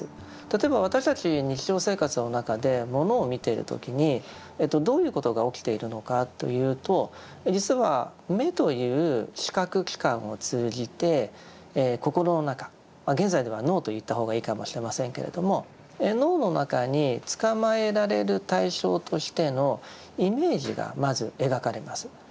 例えば私たち日常生活の中でものを見てる時にどういうことが起きているのかというと実は目という視覚器官を通じて心の中現在では脳と言った方がいいかもしれませんけれども脳の中につかまえられる対象としてのイメージがまず描かれます。